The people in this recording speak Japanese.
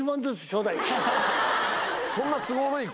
そんな都合のいい